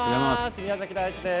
宮崎大地です。